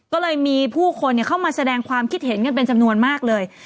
ก็เลยมีผู้คนเข้ามาแสดงความคิดเห็นกันเป็นจำนวนมากเลย